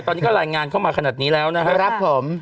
ตอนนี้ก็รายงานเข้ามาขนาดนี้แล้วนะครับผม